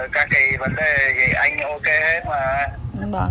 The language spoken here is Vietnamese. các cái vấn đề thì anh ok hết mà